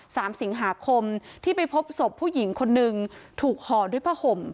สามสิงหาคมที่ไปพบศพผู้หญิงคนนึงถูกห่อด้วยผ้าห่ม